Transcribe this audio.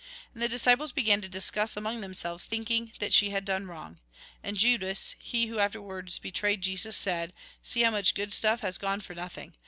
And the disciples began to discuss among them selves, thinking that she had done wrong. And Judas, he who afterwards betrayed Jesus, said :" See how much good stuff has gone for nothing.